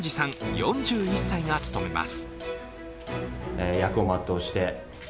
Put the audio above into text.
４１歳が務めます。